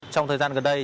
trong thời gian gần đây